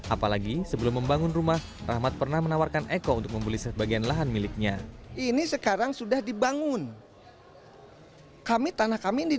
apalagi sebelum membangun rumah rahmat pernah menawarkan eko untuk membeli sebagian lahan miliknya